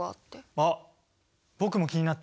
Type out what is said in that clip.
あっ僕も気になった！